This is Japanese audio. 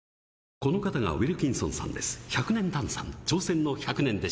この方がウィルキンソンさんです。